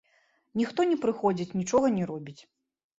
Ніхто не прыходзіць, нічога не робіць.